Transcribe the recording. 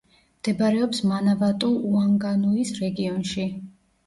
მდებარეობს მანავატუ-უანგანუის რეგიონში.